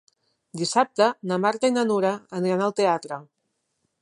Dissabte na Marta i na Nura aniran al teatre.